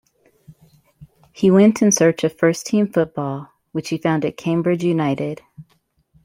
He went in search of first-team football, which he found at Cambridge United.